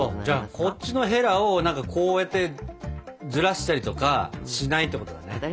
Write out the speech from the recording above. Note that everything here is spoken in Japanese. じゃあこっちのヘラをこうやってずらしたりとかしないってことだね。